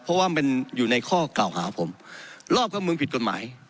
เพราะว่ามันอยู่ในข้อกล่าวหาผมรอบข้างมึงผิดกฎหมาย